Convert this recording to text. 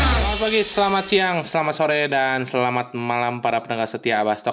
selamat pagi selamat siang selamat sore dan selamat malam para penegak setia abah stok